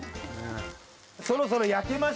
そろそろやけましたよ